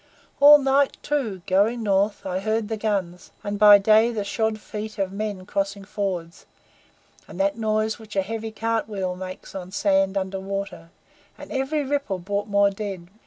All night, too, going North, I heard the guns, and by day the shod feet of men crossing fords, and that noise which a heavy cart wheel makes on sand under water; and every ripple brought more dead.